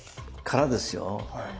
空ですよ。